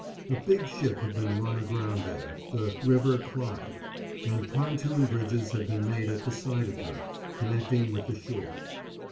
A big ship had been run aground there the River Clyde and pontoon bridges had been made at the side of her, connecting with the shore.